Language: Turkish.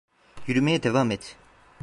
Yürümeye devam et.